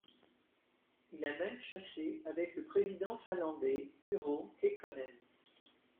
Il a même chassé avec le président finlandais Urho Kekkonen.